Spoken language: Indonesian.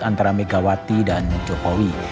antara megawati dan jokowi